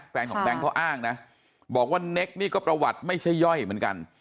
แฟนของแบงค์เขาอ้างนะบอกว่าเน็กนี่ก็ประวัติไม่ใช่ย่อยเหมือนกัน